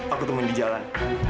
aku temuin di jalan